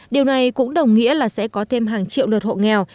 điều này cũng đồng nghĩa là sẽ có thêm hàng triệu lượt hộ nghèo